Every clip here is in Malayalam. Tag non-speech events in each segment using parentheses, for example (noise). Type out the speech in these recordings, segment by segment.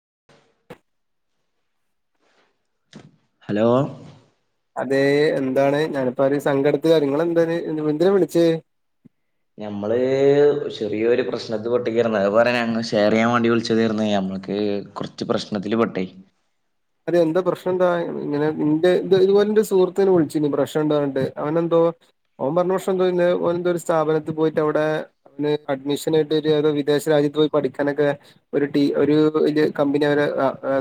(inaudible) ഹലോ അതെ എന്താണ് ഞാനിപ്പോ ഒരു സങ്കടത്തിലാ നിങ്ങൾ എന്താണ് എന്തിനാ വിളിച്ചേ ഞമ്മള് ചെറിയൊരു പ്രശ്നത്തിൽ പെട്ടിരിക്കുവാരുന്നു അത് പറയാനാ അങ്ങ് ഷെയർ ചെയ്യാൻ വേണ്ടി വിളിച്ചതാർന്ന് ഞമ്മക്ക് കുറച്ച് പ്രശ്നത്തില് പെട്ടേ ഇത് എന്താ പ്രശ്നം എന്താ ഇങ്ങനെ നിന്റെ ഇതുപോലെ എന്റെ സുഹൃത്ത് എന്നെ വിളിച്ചിരുന്നു പ്രശ്നം ഉണ്ടെന്ന് പറഞ്ഞിട്ട് അവനെന്തോ ഓൻ പറഞ്ഞ പ്രശനം എന്താ പറഞ്ഞെ ഓൻ എന്തോ ഒരു സ്ഥാപനത്തിൽ പോയിട്ട് അവിടെ അവന് അഡ്മിഷനായിട്ട് ഏതോ വിദേശ രാജ്യത്ത് പോയി പഠിക്കാനൊക്കെ ഒരു ടീം ഒരു വലിയ കമ്പനി അവരെ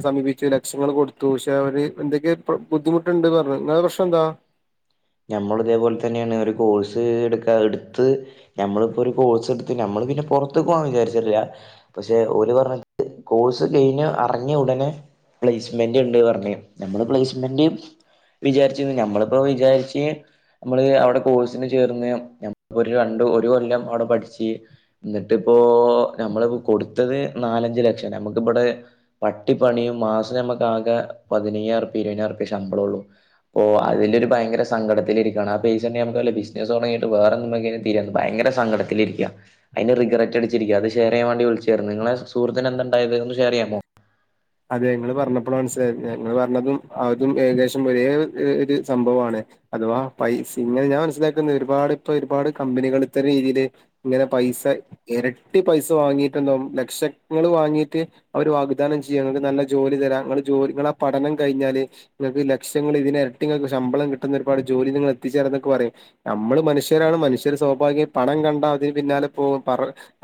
സമീപിച്ചു ലക്ഷങ്ങള് കൊടുത്തു പക്ഷെ അവര് എന്തൊക്കെയൊ ബുദ്ധിമുട്ടുണ്ടെന്ന് പറഞ്ഞു നിങ്ങടെ പ്രശ്നം എന്താ ഞമ്മൾ ഇതേപോലെ തന്നെയാണ് ഒരു കോഴ്സ് എടുക്കാ എടുത്ത് ഞമ്മളിപ്പോൊ ഒരു കോഴ്സ് എടുത്ത് നമ്മള് പിന്നെ പുറത്ത് പോവാൻ വിചാരിച്ചിട്ടില്ല പക്ഷെ ഓര് പറഞ്ഞ കോഴ്സ് കഴിഞ്ഞ ഇറങ്ങിയ ഉടനെ പ്ലേസ്മെന്റ് ഉണ്ട് പറഞ്ഞ് നമ്മള് പ്ലേസ്മെന്റ് വിചാരിച്ച് ഞമ്മളിപ്പോ വിചാരിച്ച നമ്മള് അവിടെ കോഴ്സിന് ചേർന്ന് ഒരു രണ്ട് ഒരു കൊല്ലം അവിടെ പഠിച്ച് എന്നിട്ടിപ്പോ നമ്മള് കൊടുത്തത് നാലഞ്ച് ലക്ഷം നമുക്കിവിടെ പട്ടിപ്പണിയും മാസം നമ്മുക്ക് ആകെ പതിനയ്യായിരം റുപ്പിയ ഇരുപതിനായിരം റുപ്പിയെ ശമ്പളം ഉള്ളു അപ്പോ അതിലൊരു ഭയങ്കര സങ്കടത്തിലിരിക്കാണ് ആ പൈസ ഉണ്ടെങ്കിൽ നമുക്ക് നല്ല ബിസിനസ് തുടങ്ങിയിട്ട് വേറെ എന്തെങ്കിലും തുടങ്ങീട്ട് ഭയങ്കര സങ്കടത്തിലിരിക്കുവാ അതിന്റെ റിഗ്രറ്റ് അടിച്ചിരിക്കുവാ അത് ഷെയറ് ചെയ്യാൻ വേണ്ടി വിളിച്ചതായിരുന്നു നിങ്ങളെ സുഹൃത്തിന് എന്താ ഉണ്ടായത് ഒന്ന് ഷെയർ ചെയ്യാമോ അതെ ഇങ്ങള് പറഞ്ഞപ്പോളാ മനസ്സിലായത് ഞങ്ങള് പറഞ്ഞതും അതും ഏകദേശം ഒരേ ഒരു സംഭവമാണ് അഥവാ പൈസ ഇങ്ങനെ ഞാൻ മനസ്സിലാക്കുന്ന ഒരുപാട് ഇപ്പോ ഒരുപാട് കമ്പനികൾ ഇത്തരം രീതിയില് ഇങ്ങനെ പൈസ ഇരട്ടി പൈസ വാങ്ങിയിട്ടുണ്ടാവും ലക്ഷങ്ങൾ വാങ്ങിയിട്ട് അവര് വാഗ്ദാനം നല്ല ജോലി തരാം ഇങ്ങടെ ജോലി ഇങ്ങടെ പഠനം കഴിഞ്ഞാല് ഇങ്ങക്ക് ലക്ഷങ്ങൾ ഇതില് ഇരട്ടി ഇങ്ങക്ക് ശമ്പളം കിട്ടുന്ന ഒരുപാട് ജോലി നിങ്ങള് എത്തിച്ചേരും എന്നൊക്കെ പറയും നമ്മള് മനുഷ്യരാണ് മനുഷ്യര് സ്വാഭാവികം പണം കണ്ടാ അതിന് പിന്നാലെ പോവും പറ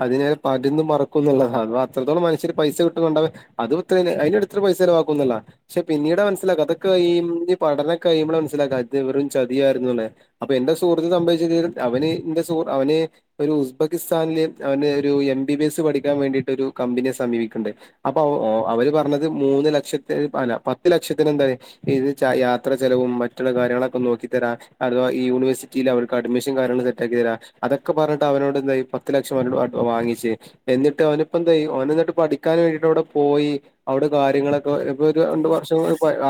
അതിന പരുന്തും പറക്കൂന്നുള്ളതാണ് അപ്പോ അത്രത്തോളം മനുഷ്യര് പൈസ കിട്ടൂന്നുണ്ടപ്പോ അത് (unintelligible) അതിന്റെ അടുത്തൊരു പൈസ ചിലവാക്കും ഒന്നൂല്ല പക്ഷെ പിന്നീടാ മനസ്സിലാക്കുക അതൊക്കെ ഈ പഠനം കഴിയുമ്പോളാ മനസിലാക്കാ അത് വെറും ചതിയായിരുന്നുന്നൊള്ളെ അപ്പൊ എന്റെ സുഹൃത്ത് സംഭവിച്ച അവന് എന്റെ സ അവന് ഒരു ഉസ്ബെക്കിസ്ഥാനില് അവന് ഒരു എം ബി ബി എസ് പഠിക്കാൻ വേണ്ടിട്ട് ഒരു കമ്പനിയെ സമീപിക്കുകയുണ്ടായി അ ഓ അവര് പറഞ്ഞത് മൂന്ന് ലക്ഷത്തിന് അല്ല പത്ത് ലക്ഷത്തിന് എന്തായ ഇത് യാത്ര ചെലവും മറ്റുള്ള കാര്യങ്ങളൊക്കെ നോക്കി തരാം അഥവാ ഈ യൂണിവേഴ്സിറ്റിൽ അവർക്ക് അഡ്മിഷൻ കാര്യങ്ങൾ സെറ്റാക്കി തരാം അതൊക്കെ പറഞ്ഞിട്ട് അവനോട് എന്തായി പത്ത് ലക്ഷം അവനോട് വാങ്ങിച്ച് എന്നിട്ട് അവനിപ്പ എന്തായി അവൻ എന്നിട്ട് പഠിക്കാൻ വേണ്ടിയിട്ടവിടെ പോയി അവിടെ കാര്യങ്ങളൊക്കെ ഇപ്പോ ഒരു രണ്ടു വർഷം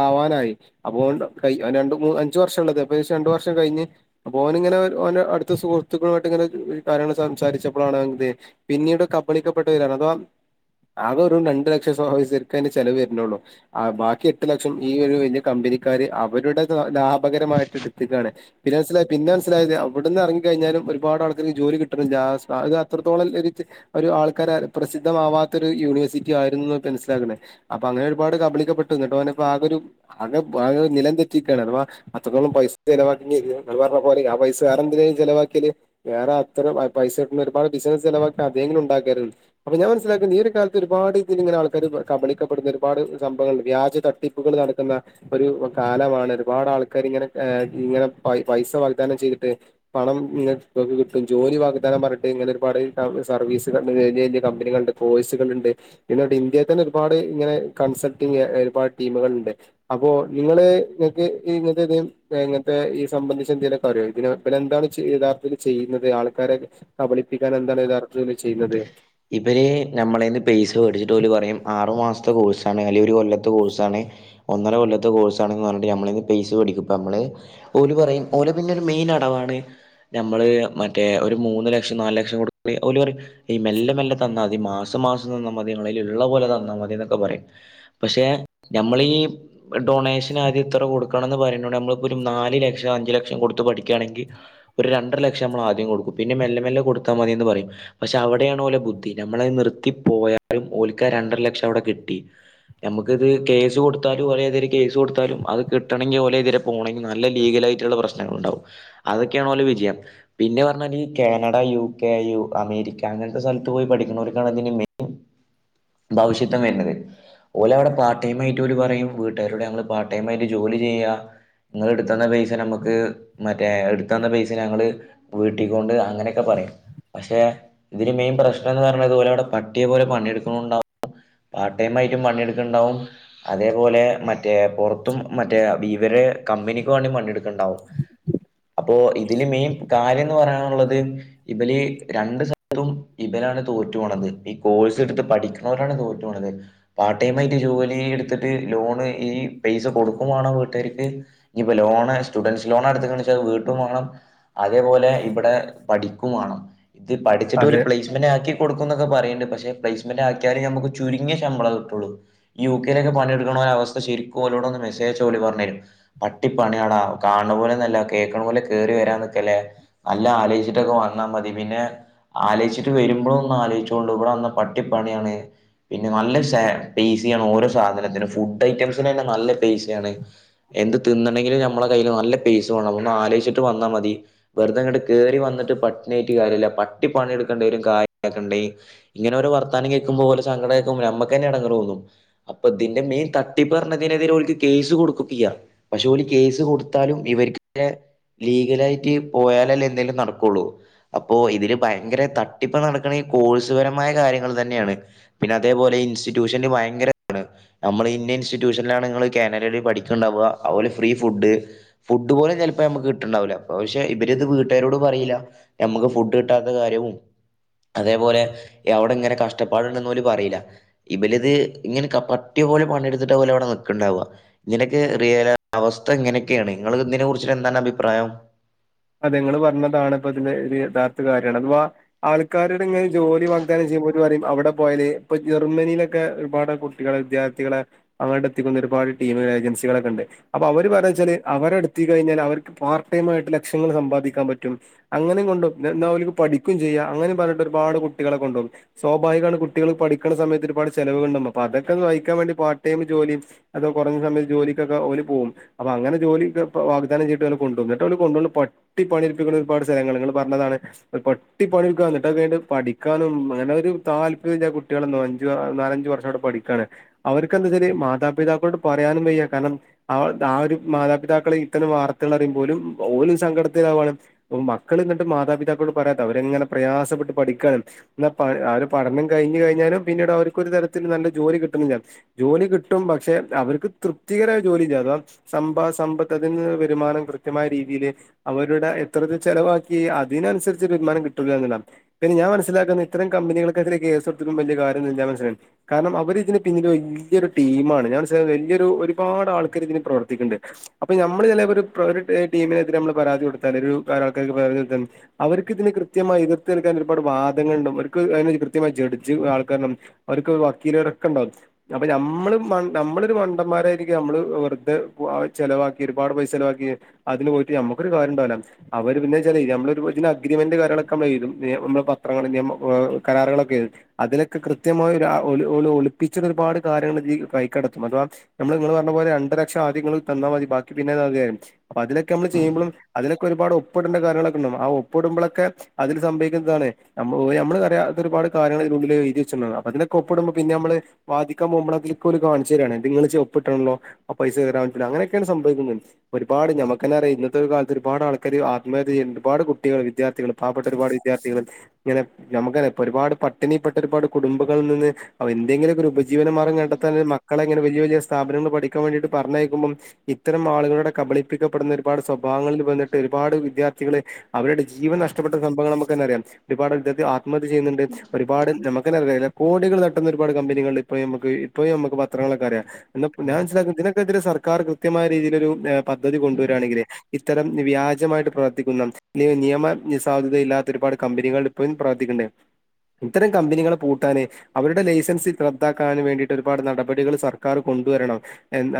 ആവാനായി അപ്പോ രണ്ട് മൂന്ന് അഞ്ചു വർഷം ഉള്ളത് അപ്പോ അതിന് ശേഷം രണ്ട് വർഷം കഴിഞ്ഞ് അപ്പൊ ഓൻ ഇങ്ങനെ ഓന് ഇങ്ങനെ അടുത്ത സുഹൃത്തുക്കളുമായിട്ട് ഇങ്ങനെ കാര്യങ്ങൾ സംസാരിച്ചപ്പോഴാണ് അറിഞ്ഞത് പിന്നീട് കബളിക്കപ്പെട്ടവരാണ് അത് ആകെ ഒരു (unintelligible) രണ്ട് ലക്ഷം ശെരിക്കും അതിന്റെ ചെലവ് വരുന്നുള്ളൂ ബാക്കി എട്ട് ലക്ഷം ഈ ഒരു വലിയ കമ്പനിക്കാർ അവരുടെ ലാഭകരമായിട്ട് എടുത്തിക്കയാണ് പിന്നെ മനസില പിന്നെ മനസ്സിലായത് അവിടുന്ന് ഇറങ്ങി കഴിഞ്ഞാലും ഒരുപാട് ആൾക്കാർക്ക് ജോലി കിട്ടണില്ല അത് അത്രത്തോളം ഒരു ആൾക്കാർ പ്രസിദ്ധമാവാത്ത ഒരു യൂണിവേഴ്സിറ്റി ആയിരുന്നെന്ന് മനസ്സിലാക്കുന്നേ അപ്പൊ അങ്ങനെ ഒരുപാട് കബളിക്കപ്പെട്ടു എന്നിട്ട് ഓന് ഇപ്പോ ആകെ ഒരു ആകെ ആകെ നിലം തെറ്റി നിൽക്കയാണ് അഥവാ അത്രോളം പൈസ ചിലവാക്കിയെന്ന് പറഞ്ഞ പോലെ ആ പൈസ വേറെ എന്തിനേലും ചിലവാക്കിയാല് വേറെ അത്രം പൈസ കിട്ടുന്ന ഒരുപാട് ബിസിനസ് ചിലവാക്കാം അതെങ്കിലും ഉണ്ടാക്കാരുന്നു അപ്പൊ ഞാൻ മനസ്സിലാക്കുന്നത് ഈ ഒരു കാലത്ത് ഒരു ഒരുപാട് ഇതിൽ ഇങ്ങനെ ആൾക്കാർ കബളിക്കപ്പെടുന്ന ഒരുപാട് സംഭങ്ങൾ വ്യാജ തട്ടിപ്പുകൾ നടക്കുന്ന ഒരു കാലമാണ് ഒരുപാട് ആൾക്കാർ ഇങ്ങനെ ഇങ്ങനെ പൈസ വാഗ്ദാനം ചെയ്തിട്ട് പണം ഇങ്ങനെ നിങ്ങൾക്ക് കിട്ടും ജോലി വാഗ്ദാനം പറഞ്ഞിട്ട് ഇങ്ങനെ ഒരുപാട് സർവീസ് കഴി കഴിഞ്ഞ കമ്പനികളുണ്ട് കോഴ്സുകളുണ്ട് ഇന്ത്യയിൽ തന്നെ ഒരുപാട് ഇങ്ങനെ കൺസൾട്ടിങ് ഒരുപാട് ടീമുകളുണ്ട് അപ്പോ നിങ്ങള് നിങ്ങൾക്ക് ഇങ്ങനത്തെ ഇ ഇങ്ങനത്തെ ഈ സംബന്ധിച്ച് എന്തേലുമൊക്കെ അറിയാമോ ഇതിന് ഇതിനെന്താണ് യഥാർത്ഥത്തില് ചെയ്യുന്നത് ആൾക്കാരെ കബളിപ്പിക്കാൻ എന്താണ് യഥാർ ഇവര് നമ്മടേന്ന് പൈ സാ മേടിച്ചിട്ട് ഓല് പറയും ആറു മാസത്തെ കോഴ്സാണ് അല്ലെങ്കിൽ ഒരു കൊല്ലത്തെ കോഴ്സാണ് ഒന്നര കൊല്ലത്തെ കോഴ്സാണെന്ന് പറഞ്ഞിട്ട് നമ്മടെ കൈയിൽ നിന്ന് പൈസ മേടിക്കും നമ്മള് ഓല് പറയും ഓല് പിന്നെ ഒരു മെയിൻ അടവാണ് നമ്മള് മറ്റേ ഒരു മൂന്ന് ലക്ഷം നാലു ലക്ഷം കൊടുത്ത് കഴിഞ്ഞാൽ ഓല് പറയും ഈ മെല്ലെ മെല്ലെ തന്നാ മതി മാസം മാസം തന്നാൽ മതി നിങ്ങടെ കയ്യിൽ ഉള്ള പോലെ തന്നാൽ മതി എന്നൊക്കെ പറയും പക്ഷെ നമ്മൾ ഈ ഡൊണേഷൻ ആദ്യം ഇത്ര കൊടുക്കണോന്ന് പറയുന്നകൊണ്ട് നമ്മളിപ്പോ ഒരു നാല് ലക്ഷം അഞ്ചു ലക്ഷം കൊടുത്ത പഠിക്കുകയാണെങ്കിൽ ഒരു രണ്ടര ലക്ഷം നമ്മൾ ആദ്യം കൊടുക്കും പിന്നെ മെല്ലെ മെല്ലെ കൊടുത്താൽ മതീന്ന് പറയും പക്ഷെ അവിടെയാണ് ഓലെ ബുദ്ധി നമ്മളത് നിർത്തി പോയാലും ഓലിക്കാ രണ്ടര ലക്ഷം അവിടെ കിട്ടി നമുക്കിത് കേസ് കൊടുത്താലും ഓരേ ഇതിരെ കേസ് കൊടുത്താലും അത് കിട്ടണമെങ്കിൽ ഓലേ എതിരെ പോകണെങ്കിൽ നല്ല ലീഗലായിയിട്ടുള്ള പ്രശ്നങ്ങൾ ഉണ്ടാവും അതൊക്കെയാണ് ഓലെ വിജയം പിന്നെ പറഞ്ഞാൽ ഈ Canada U K U America അങ്ങനത്തെ സ്ഥലത്ത് പോയി പഠിക്കുന്നവർക്കാണ് അതിന്റെ മെയിൻ ഭവിഷ്യത്തം വരുന്നത് ഓല് അവിടെ പാർട്ട് ടൈമായിട്ട് ഓല് പറയും വീട്ടുകാരോട് ഞങ്ങൾ പാർട്ട് ടൈമായിട്ട് ജോലി ചെയ്യുവാ നിങ്ങൾ എടുത്ത് തന്ന പൈസ നമുക്ക് മറ്റേ എടുത്ത് തന്ന പൈസ ഞങ്ങള് വീട്ടിക്കൊണ്ട് അങ്ങനൊക്കെ പറയും പക്ഷെ ഇതില് മെയിൻ പ്രശ്നം എന്ന് പറഞ്ഞതുപോലെ ഇവിടെ പട്ടിയെ പോലെ പണിയെടുക്കുന്നുണ്ടാവും പാർട്ട്‌ ടൈമായിട്ടും പണിയെടുക്കുന്നുണ്ടാവും അതേപോലെ മറ്റേ പുറത്തും മറ്റേ ഇവരെ കമ്പനിക്ക് വേണ്ടി പണിയെടുക്കും ഉണ്ടാവും അപ്പ അപ്പോ ഇതില് മെയിൻ കാര്യംന്ന് പറയാന്ള്ളത് ഇബല് രണ്ട് സ തും ഇവരാണ് തോറ്റു പോണത് ഈ കോഴ്സ് എടുത്ത് പഠിക്ക്ണോലാണ് തോറ്റ് പോണത് പാർട്ട് ടൈം ആയിട്ട് ജോലി എട്ത്തിട്ട് ലോണ് ഈ പൈസ കൊടുക്കും വാണം വീട്ടാര്ക്ക് ഇഞ്ഞിപ്പോ ലോണ് സ്റ്റുഡന്റ്സ് ലോണാടുത്ത്ക്ക്ണ്ച്ചാ അത് വീട്ടും വാണം അതേപോലെ ഇവിടെ പഠിക്കുംവേണം ത് പഠിച്ചട്ട് അതെ ഓല് പ്ലേസ്മെന്റാക്കി കൊടുക്കുംന്നൊക്കെ പറയ്ണ്ട് പക്ഷെ പ്ലേസ്മെന്റ് ആക്കിയാലേ നമുക്ക് ചുരുങ്ങിയ ശമ്പളം കിട്ടുള്ളൂ ഈ യുകെയിലൊക്കെ പണിയെട്ക്ക്ണാേരെ അവസ്ഥ ശരിക്കും ഓലോടന്ന് മെസേജയച്ചാ ഓല് പറഞ്ഞതരും പട്ടിപ്പണിയാട കാണ് ണ പോലൊന്നുല്ല കേൾക്കണ പോലെ കേറി വരാന്നിക്കെല്ലെ നല്ലാം ആലോചിച്ചിട്ടൊക്കെ വന്നാൽ മതി പിന്നെ ആലോചിച്ചിട്ട് വരുമ്പോ ഒന്ന് ആലോയ്ച്ചോണ്ടു ഇവിടെ വന്ന പട്ടിപ്പണിയാണ് പിന്നെ നല്ല സാ പെയ്സിയാണ് ഓരോ സാധനത്തിനും ഫുഡ് ഐറ്റംസിനന്നെ നല്ല പെയ്സാണ് എന്ത് തിന്നണെങ്കിലും നമ്മളെ കയ്യില് നല്ല പെയ്സമാണം ഒന്ന് ആലോയ്ചിട്ട് വന്നാൽ മതി വെറുതെ ഇട്ട് കേറി വന്നിട്ട് പട്ട്ണിയിറ്റ് കാര്യല്ല പ ട്ടി പണിെടുക്കണ്ടെരും കായ് (unintelligible) ക്കണ്ടേ ഇങ്ങനെ ഓരേ വർത്താനം കേക്കുമ്പോ ഓലെ സങ്കടം കേക്കുമ്പോ ഞമ്മക്കന്നെ എടങ്ങേറോന്നും അപ്പതിന്റെ മെയിൻ തട്ടിപ്പ്ർഞ്ഞതിനെതിരെ ഓൽക്ക് കേസ് കൊട്ക്കൊക്കെയ്യാ പക്ഷെ ഓല് കേസ് കൊടുത്താലും ഇവർക്ക് ലീഗലായിട്ട് പോയാലല്ലേ എന്തേലും നടക്കാെള്ളൂ അപ്പോ ഇതില് ഭയങ്കര തട്ടിപ്പ് നടക്കണ ഈ കോഴ്സ് പരമായ കാര്യങ്ങൾ തന്നെയാണ് പിന്നെ അതേപോലെ ഇൻസ്റ്റിറ്റ്യൂഷൻല് ഭയങ്കര (unintelligible) ണ് നമ്മള് ഇന്ത്യ ഇൻസ്റ്റിറ്റ്യൂഷൻലാണ് ങ്ങള് കാനഡയില് പഠിക്ക്ണ്ടാവ അഓലെ ഫ്രീ ഫുഡ് ഫുഡ് പോലും ചെൽപ്പ ഞമക്ക് കിട്ടുണ്ടാവ്ല്ല പക്ഷെ ഇവരിത് വീട്ടുകാരോട് പറയില്ല ഞമക്ക് ഫുഡ് ട്ടാത്ത കാര്യവും അതേപോലെ അവിടെങ്ങനെ കഷ്ടപ്പാടുണ്ടന്ന് ഓല് പറീല ഇവല്ത് ഇങ്ങനെ പട്ട്യാേലെ പണിയെടുത്തിട്ട ഓലവ്ടെ നിക്ക്ണ്ടാവ ഇങ്ങനൊക്കെ റിയ അവസ്ഥങ്ങനൊക്കെയാണ് ങ്ങള് ഇതിനെ കുറിച്ചെന്താണ് അഭിപ്രായം അതേ ങ്ങള് പറഞ്ഞതാണ് ഇപ്പ ഇതിന്റെ യഥാർത്ഥ കാര്യമാണ് അഥവാ ആൾക്കാരോട്ങ്ങനെ ജോലി വാഗ്ദാനം ചെയ്യുമ്പോൾ ഓല് പറയും അവിടെ പോയല് ഇപ്പ ജർമ്മനിയിലൊക്കെ ഒരുപാട് കുട്ടികള് വിദ്യാർത്ഥികള് അങ്ങട്ട് എത്തിക്കുന്ന ഒരുപാട് ടീമ് ഏജൻസികളൊക്കെണ്ട് അപ്പൊ അവര് പറയന്നെച്ചാല് അവരെട്ത്തി കഴിഞ്ഞാല് അവർക്ക് പാർട് ടൈം ആയിട്ട് ലക്ഷങ്ങൾ സമ്പാദിക്കാൻ പറ്റും അങ്ങനെ കൊണ്ടും ന്നാൽ ഓൽക്ക് പഠിക്കും ചെയ്യാം അങ്ങനെ പറഞ്ഞ്ട്ട് ഒരുപാട് കുട്ടികളെ കൊണ്ടുപോകും സ്വാഭാവികമാണ് കുട്ടികൾ പഠിക്ക്ണമയത്ത് ഒരുപാട് ചെലവ്ണ്ടാവും അതൊക്കെന്ന് വഹിക്കാൻ വേണ്ടി പാർട്ട്ടൈം ജോലിം അത് കുറഞ്ഞ സമയത്ത് ജോലിക്കക്കെ ഓല് പോവും അപ്പോ അങ്ങനെ ജോലി വാഗ്ദാനം ചെയ്ട്ട് അവരെ കൊണ്ടോകും ന്നട്ട ഓല് കൊണ്ടാേ പട്ടി പണിട്പ്പിക്കുന്ന ഒരുപാട് സ്ഥലങ്ങള് ങ്ങള് പറഞ്ഞതാണ് പട്ടി പണിടുക്ക ന്നിട്ട യ്ഞ്ഞിട് പഠിക്കാനും അങ്ങനെ ഒരു താല്പര്യ കുട്ടികളന്നോ അഞ്ച് ആ നാലഞ്ചു വർഷവ്ടെ പഠിക്കാണ് അവർക്ക് എന്താച്ചരി മാതാപിതാക്കളോട് പറയാനും വയ്യ കാരണം ആ ആ ഒരു മാതാപിതാക്കളെ ഇത്തരം വാർത്തകൾ അറിയുമ്പോലും ഓല് സങ്കടത്തിലാവകാണ് മക്കൾ എന്നിട്ട് മാതാപിതാക്കോട് പറയാത്ത അവരെങ്ങനെ പ്രയാസപ്പെട്ട് പഠിക്കാണ് ന്നാ പ ആ ഒര പഠനം കഴിഞ്ഞു കഴിഞ്ഞാലും പിന്നീട് അവർക്കാെരു തരത്തിൽ നല്ല ജോലി കിട്ടണം ജോലി കിട്ടും പക്ഷെ അവർക്ക് തൃപ്തികരമായ ജോലി അഥവാ സമ്പ സമ്പത്ത്തി വരുമാനം കൃത്യമായ രീതിയില് അവരുടെ എത്ര ചെലവാക്കി അതിനനുസരിച്ച് ഒരുരുമാനം കിട്ടുല്ലന്നുള്ളാണ് പിന്നെ ഞാൻ മനസ്സിലാക്കുന്ന ഇത്തരം കമ്പനികൾക്കെതിരെ കേസെട്ത്തിട്ടും വല്യ കാര്യാെന്നുല്ല മനസ്സിലായ്ണ് കാരണം അവരിതിന് പിന്നില് വല്യാെ ടീമാണ് ഞാൻ മനസ്സില വലിയൊരു ഒരുപാട് ആൾക്കാർ ഇതിന് പ്രവർത്തിക്ക്ണ്ട് അപ്പൊ ഞമ്മള് ചെലേപ്പൊര് ടീമിനെതിരെ മ്മള് പരാതി കൊടുത്താൽ ഒരു നാല്ൾക്കായ്ക്ക് പരാതി കൊടുത്താൽ അവർക്ക് ഇതിന് കൃത്യമായി എതിർത്ത് നൽക്കാൻ ഒരുപാട് വാദങ്ങുണ്ടാവും അവർക്ക് അതി കൃത്യമായ ജഡ്ജ് ആൾക്കാരുണ്ടും അവർക്ക് വക്കീലരൊക്കെ ഉണ്ടാവും അപ്പൊ നമ്മള് നമ്മളൊ ഒരു മണ്ടന്മാരായിരിക്കും നമ്മള് വെർതെ ചെലവാക്കി ഒരുപാട് പൈസ ചെലവാക്കി അതിന് പോയിട്ട് മ്മക്ക് ഒര് കാര്യംണ്ടാവൂല അവര് പിന്നെച്ചാല് നമ്മള ഇ അഗ്രമെന്റ് കാര്യങ്ങളൊക്കെ നമ്മളെയ്തും എ മ്മള് പത്രങ്ങളിയ കരാറുകളൊക്കെ അതിലൊക്കെ കൃത്യമായി ഓല് ഒളിപ്പിച്ച ഒരുപാട് കാര്യങ്ങള് ഇതീല് കൈക്കടത്തും അഥവാ നമ്മള് ങ്ങള്പറഞ്ഞ പോലെ രണ്ട് ലക്ഷം ആദ്യങ്ങള് തന്നാ മതി ബാക്കി പിന്നെ അ അലൊക്കെ മ്മള് ചെയ്യുമ്പളും അതിലൊക്കെ ഒരുപാട് ഒപ്പിടേണ്ട കാര്യങ്ങളക്കെണ്ടാവും ആ ഒപ്പിടുമ്പളൊക്കെ അതില് സംഭവിക്കുന്നതിതാണ് നമ്മള് അറിയാത്ത ഒരുപാട് കാര്യങ്ങൾതിനുള്ളിൽ എഴുതിച്ച് അതിനൊക്കെ ഒപ്പിടുമ്പോ പിന്നെ നമ്മള് വാദിക്കാൻ പോകുമ്പോളൊക്കെ തൊക്കോല് കാണിച്ചെരാണ് ഇത്ങ്ങള്ച്ച് ഒപ്പിട്ടാണല്ലോ ആ പൈസ (unintelligible) അങ്ങനെയൊക്കെയാണ് സംഭവിക്കുന്നത് ഒരുപാട് ഞമ്മക്കന്നെ അറിയ ഒരു കാലത്ത് ഒരുപാട് ആൾക്കാര് ആത്മഹത്യ ചെയ്യ ഒരുപാട് കുട്ടികള് വിദ്യാർത്ഥികള് പാവപ്പെട്ട ഒരുപാട് വിദ്യാർത്ഥികള് ഇങ്ങനെ നമു (unintelligible) ഒരുപാട് പട്ടിണിപ്പെട്ട ഒരുപാട് കുടുംബങ്ങള് നിന്ന് എന്തെങ്കിലുക്കെരു ഉ പജീവനമാർഗം കണ്ടെത്താൻ മക്കളെ അങ്ങനെ വലിയ വല്യ സ്ഥാപനങ്ങൾ പഠിക്കാൻ വേണ്ടിട്ട് പറഞ്ഞയക്കുമ്പം ഇത്തരം ആളുകളുടെ കബ്ളിപ്പിക്കപ്പെടുന്ന ഒരുപാട് സ്വ വിഭാഗങ്ങളിൽ വന്നിട്ട് ഒരുപാ വിദ്യാർത്ഥികള് അവര്ടെ ജീവൻ നഷ്ടപ്പെട്ട സംഭവങ്ങള് നമക്കന്നെ അറിയാം ഒരുപാട് വിദ്യാർത ആ ത്മഹത്യ ചെയ്യ്ന്ന്ണ്ട് ഒരുപാട് ഞമ (unintelligible) കോടികള് തട്ടുന്ന ഒരുപാട് കമ്പനികൾണ്ട് ഇപ്പോ ഞമ്മക്ക് ഇപ്പോ ഞമ്മക്ക് പ ത്രങ്ങളക്കറിയ ന്താ ഞാൻ മനസിലാക് ഇതിനെക്കെതിരെ സർ സർക്കാർ കൃത്യമായ രീതിയിലൊരു പദ്ധതി കൊണ്ടുവരാണെങ്കില് ഇത്തരം വ്യാജമായിട്ട് പ്രവർത്തിക്കുന്ന അല്ലേൽ നിയമ നി സാധ്യതയില്ലാത്ത ഒരുപാട് കമ്പനികൾ ഇപ്പോഴും പ്രവർത്തിക്ക്ണ്ട് ഇത്തരം കമ്പനികളെ പൂട്ടാന് അവരുടെ ലൈസൻസ് റദ്ദാക്കാന് വേണ്ടിട്ട് ഒരുപാട് നടപടികള് സർക്കാർ കൊണ്ടുവരണം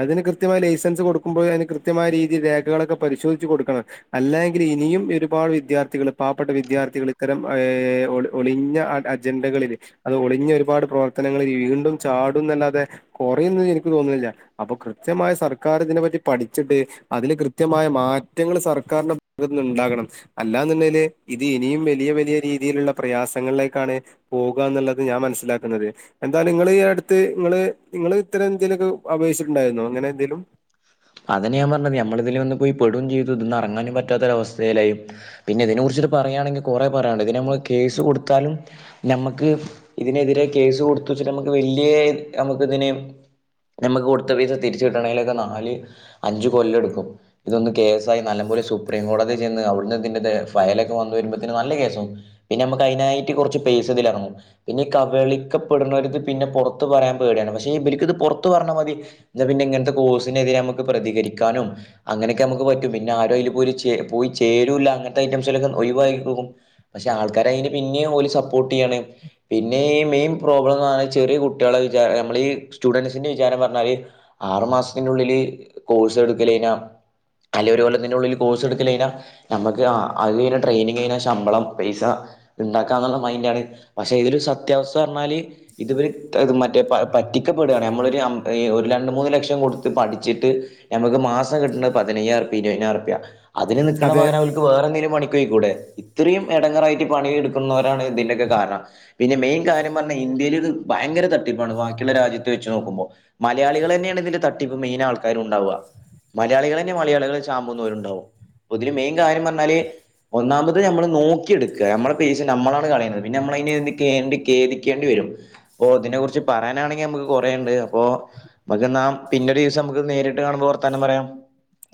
അതിന് കൃത്യമായ ലൈസൻസ് കൊടുക്കുമ്പോഴും അതിന് കൃത്യമായ രീതി രേഖകളൊക്കെ പരിശോധിച്ച് കൊടുക്കണം അല്ലായെങ്കിൽ ഇനിയും ഒരുപാട് വിദ്യാർത്ഥികള് പാവപ്പെട്ട വിദ്യാർത്ഥികള് ഇത്തരം ഏ ഒ ഒളിഞ്ഞ അജണ്ടകളില് അത് ഒളിഞ്ഞ ഒരുപാട് പ്രവർത്തനങ്ങളിൽ വീണ്ടും ചാടുംന്നല്ലാതെ കാെറയുംന്ന് എനിക്ക് തോന്ന്ണില്ല അപ്പൊ കൃത്യമായ സർക്കാർ ഇതിനെ പറ്റി പഠിച്ചിട്ട് അതില് കൃ കൃത്യമായ മാറ്റങ്ങള് സർക്കാരിന്റെ (unintelligible) ത്ത്ന്ന്ണ്ടാകണം അല്ലാന്ന്ണ്ടേല് ഇത് ഇനിയും വെലിയ വെലിയ രീതിയില്ള്ള പ്രയാസങ്ങളിലേക്കാണ് പോവുകന്ന്ള്ളത് ഞാൻ മനസ്സിലാക്ക്ണത് എന്താ നിങ്ങള് ഈ അട്ത്ത് ങ്ങള് ങ്ങള് ഇത്തരം ന്തെലാെക്കെ അപേക്ഷിച്ചിട്ടുണ്ടായിരുന്നാേ ങ്ങനെ എന്തേലും അതന്നെ ഞാൻ പറഞ്ഞത് നമ്മള് ഇതിൽ വന്ന് പോയി പെടും ചെയ്തു ഇത്ന്ന് എറങ്ങാനും പറ്റാത്താെരവസ്ഥയിലായും പിന്നെ ഇതിനെ കുറിച്ചിട്ട് പറയാണെങ്കിൽ കൊറേ പറ്യാൻണ്ട് ഇതിനമ്മള് കേസ് കൊട്ത്താലും ഞമ്മക്ക് ഇതിനെതിരെ കേസ് കൊടുത്തുച്ച്ട്ട് നമുക്ക് വല്യേ ഞമക്ക് ഇതിന് നമുക്ക് കൊടുത്ത പൈസ തിരിച്ചു കിട്ടണമേലൊക്കെ നാം നാല് അഞ്ച് കൊല്ലെട്ക്കും ഇതൊന്ന് കേസായി നല്ലം പോലെ സുപ്രീം കോടതി ചെന്ന് അവിടുന്ന് ഇതി ഫയലൊക്കെ വന്ന വരുമ്പോത്ത്ന് നല്ല കേസാകും പിന്നെ ഞമക്ക് അയ്നായിട്ട് കൊറച്ച് പെയ്സതിലെർങ്ങും പിന്നെ കവളിക്കപ്പെടുന്നര്ത് പിന്നെ പൊറത്ത് പറയാൻ പേടിയാണ് പക്ഷേ ഈ ഇബൽക്ക്ത് പൊർത്ത് പറഞ്ഞ മതി ന്നാ പിന്നെങ്ങൻത്തെ കോസ് തിരെ ഞമക്ക് പ്രതികരിക്കാനും അങ്ങനൊക്കെ നമുക്ക് പറ്റും പിന്നെ ആരും അയ്‌ല് പോയി ചേരൂല്ല അങ്ങൻത്തെ ഐറ്റംസൊക്കെ ഒഴിവായി പോകും പക്ഷെ ആൾക്കരയ്ന് പിന്നിം ഓല് സപ്പോർട്ട് ചെയ്യാണ് പിന്നെ ഈ മെയിൻ പ്രോബ്ലം ന്ന് പറഞ്ഞാ ചെറ്യേ കുട്ട്യേള് നമ്മളീ സ്റ്റുഡന്സിന്റെ വിചാരം പറഞ്ഞാല് ആറുമാസ ത്തിനുള്ളിൽ കോഴ്സ് എടുക്കലയ്ഞ്ഞാ അല്ലെ ഒര കൊല്ലത്തിന്റെള്ളില് കോഴ്സ് എടുക്കലെയ്ന നമക്ക് അത് കഴിഞ്ഞ ട്രെനിങ് കഴിഞ്ഞാ ശമ്പളം പൈസ ഇണ്ടാക്കാ ന്ന്ള്ള മൈൻഡാണ് പക്ഷെ ഇതിലെ സത്യാവസ്ഥർഞ്ഞാല് ഇതുവര് മറ്റേ പ പറ്റിക്കപ്പെടാണ് നമ്മളൊര് ഹം (unintelligible) രണ്ട് മൂന്ന് ലക്ഷം കൊട് ത്ത് പഠിച്ചിട്ട് ഞമ്മക്ക് മാസം കിട്ട്ണെ പതിനയ്യായിർപ്യ ഇരുപതിനായിർപ്യ അതിന് നിൽക്ക്ണ അതെ പകരം ഓൽക്ക് വേറെന്തേലും പണി പൊയ്ക്കൂടെ ഇത്രയും എടങ്ങേറായിട്ട് പണിയെടുക്കുന്നവരാണ് ഇതിന്റെക്കെ കാരണം പിന്നെ മെയിൻ കാര്യം പറഞ്ഞാ ഇന്ത്യേലിത് ഭയങ്കരതാ ട്ടിപ്പാണ് ബാക്കിള്ള രാജ്യ (unintelligible) വെച്ച് നോക്കുമ്പോ മലയാളികളെന്നേണ് ഇതിന്റെ ത ട്ടിപ്പ് മെയിനാൾക്കാര്ണ്ടാവുക മലയാളികളെന്നെ മലയാളികളെ ചാമ്പുന്നവരുണ്ടാവും ഇതില് മെയിൻ കാര്യം പർഞ്ഞാല് ഒന്നാമത് നമ്മള് നോക്കിയെട്ക്ക നമ്മളെ പേശ നമ്മളാണ് കളയുന്നത് പിന്നെ നമ്മള യ്ന് വേണ്ടി കോണ്ടി കേദിക്കേണ്ടി വരും അപ്പോ അതിനെ കുറിച്ച് പറയാനാണെങ്കി നമുക്ക് കുറേണ്ട് അപ്പൊ അമ്മക്ക് ന പിന്നൊരീസം നമുക്ക് നേരിട്ട് കാണുമ്പോ വർത്താനം പറയാം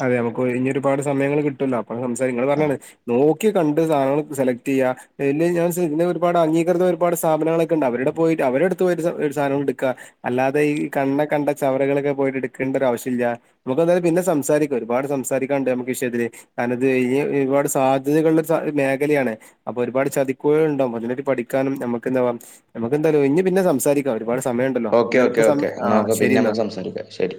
അതെ നമുക്കൊഴിഞ്ഞൊരുപാട് സമയങ്ങള് കിട്ടോ ല്ലോ (unintelligible) സംസാര ഇങ്ങള് ആ പർഞ്ഞാണ് നോ ക്കി കണ്ട് സാധനങ്ങള് സെലക്റ്റെയ്യാ പിന്നെ (unintelligible) പിന്നൊരുപാട് അംഗീകൃത ഒരുപാട് സ്ഥാപനങ്ങളൊക്കെണ്ട് അവരുടെ പോയിട്ട് അവരെ അടുത്ത് പോയിട്ട് സാധനങ്ങളെട്ക അല്ലാതെ ഈ കണ്ണ കണ്ട ചവറുകളൊക്കെ പോയിട്ട് എട്ക്കേണ്ട ഒരുവശ്യല്ല നമുക്കെന്തായാലും പിന്നെ സംസാരി ഒരുപാട് സംസാരിക്കാണ്ട് നമുക്ക് ഈവിഷയത്തില് കാരാനത് ഇനി ഒരുപാട് സാധ്യതകളുള്ള മേഖലയാണ് അപ്പൊ ഒരുപാട് ചതിക്കുഴികളുണ്ടാവും അതിനേ പറ്റി പഠിക്കാനും നമുക്ക് എന്താവാ നമുക്ക് എന്താലോ ഇഞ് പിന്നെ സംസാരിക്കാ ഓക്കെ ഓക്കേ ഓക്കെ നോക്ക ശരി പിന്നെ എന്നാ. നമുക്ക് സംസാരിക്ക ശെരി